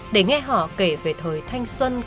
để nghe họ kể về thời thanh xuân của chúng ta